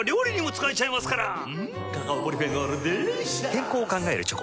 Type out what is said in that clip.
健康を考えるチョコ。